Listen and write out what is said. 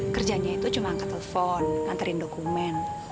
kerjanya itu cuma angkat telpon nganterin dokumen